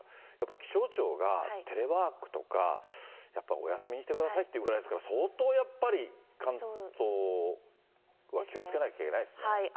気象庁がテレワークとか、やっぱりお休みにしてくださいっていうぐらいですから、相当やっぱり、関東は気をつけなきゃいけないですね。